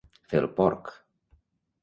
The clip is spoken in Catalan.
Fer el porc.